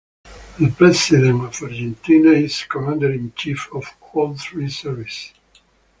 The President of Argentina is Commander-in-Chief of all three services.